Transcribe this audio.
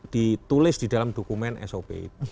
ditulis di dalam dokumen sop